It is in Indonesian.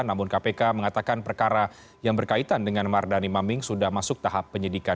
namun kpk mengatakan perkara yang berkaitan dengan mardani maming sudah masuk tahap penyidikan